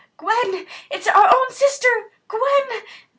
"Gwen! It's our own Sister Gwen!"